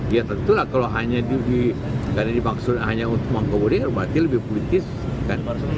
ya tentulah kalau hanya dimaksudkan untuk mengakomodasi berarti lebih politik